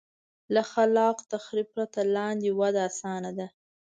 له خلاق تخریب پرته لاندې وده اسانه ده.